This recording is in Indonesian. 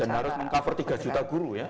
dan harus meng cover tiga juta guru ya